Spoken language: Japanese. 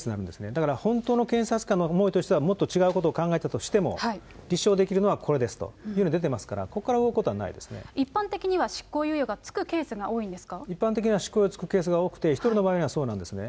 だから本当に検察官の思いとしては、もっと違うことを考えていたとしても、立証できるのはこれですというのが出ていますから、ここから動く一般的には執行猶予が付くケ一般的には執行猶予付くケースが多くて、１人の場合にはそうなんですね。